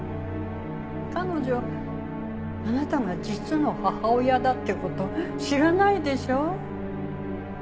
彼女あなたが実の母親だって事知らないでしょ？